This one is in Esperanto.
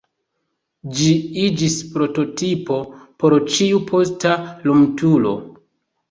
Ĝi iĝis prototipo por ĉiu posta lumturo.